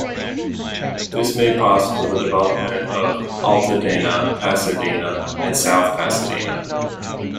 This made possible the development of Altadena, Pasadena, and South Pasadena.